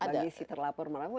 bagi si terlapor meragukan